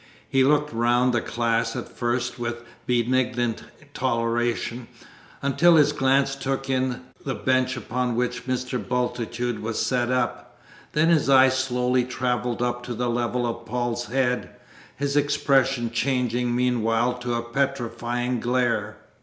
He looked round the class at first with benignant toleration, until his glance took in the bench upon which Mr. Bultitude was set up. Then his eye slowly travelled up to the level of Paul's head, his expression changing meanwhile to a petrifying glare.